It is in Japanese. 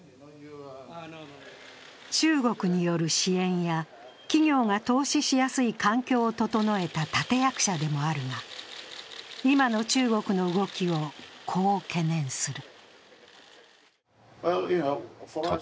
中国による支援や企業が投資しやすい環境を整えた立て役者でもあるが、今の中国の動きをこう懸念する。